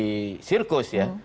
di sirkus ya